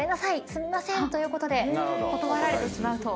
すみません！ということで断られてしまうと。